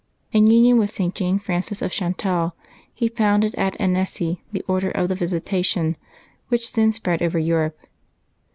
In union with St. Jane Frances of Chantal he founded at Annecy the Order of the Visitation, which soon spread over Europe.